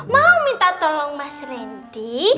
mau minta tolong mas randy